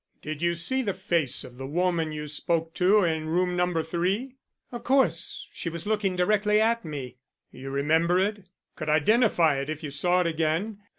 "Did you see the face of the woman you spoke to in Room No. 3?" "Of course. She was looking directly at me." "You remember it? Could identify it if you saw it again?"